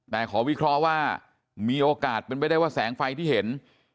แต่ขอวิเคราะห์ว่ามีโอกาสเป็นไปได้ว่าแสงไฟที่เห็น